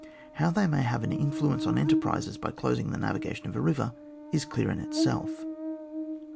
How they may have an influence on en terprises by closing the navigation of a river is clear in itself.